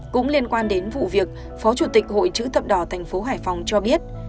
cũng liên quan đến vụ việc phó chủ tịch hội chứ tập đỏ thành phố hải phòng cho biết